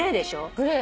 グレーよ。